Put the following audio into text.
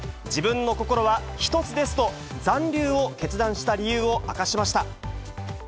自分の心は一つですと、残留を決断した理由を明かしました。